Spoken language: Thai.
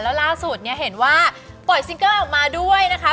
แล้วล่าสุดเนี่ยเห็นว่าปล่อยซิงเกอร์ออกมาด้วยนะคะ